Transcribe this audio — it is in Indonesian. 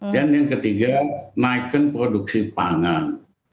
dan yang ketiga naikkan produksi pangan